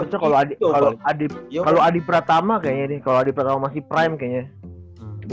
orchok kalo adi pratama kayaknya nih kalo adi pratama masih prime kayaknya